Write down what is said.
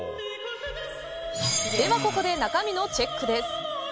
では、中身のチェックです。